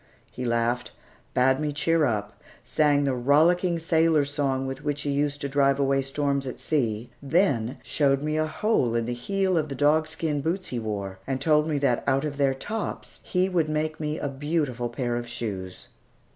He laughed, bade me cheer up, sang the rollicking sailor song with which he used to drive away storms at sea, then showed me a hole in the heel of the dogskin boots he wore, and told me that, out of their tops, he would make me a beautiful pair of shoes.